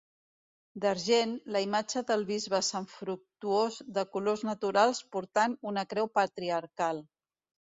D'argent, la imatge del bisbe sant Fructuós de colors naturals portant una creu patriarcal.